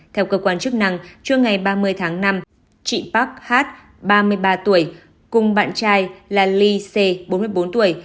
theo cơ quan chức năng trưa ngày ba mươi tháng năm chị park hát ba mươi ba tuổi cùng bạn trai là lee se bốn mươi bốn tuổi